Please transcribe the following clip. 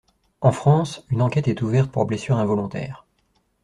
En France, une enquête est ouverte pour blessures involontaires.